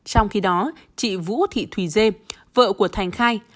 trong khi đó chị vũ thị thùy dê vợ của thành khai